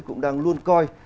cũng đang luôn coi